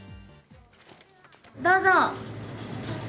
どうぞ。